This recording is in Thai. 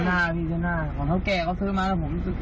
เท่าหน้าของเท่าแก่เขาซื้อมาผมโดนด่าเลย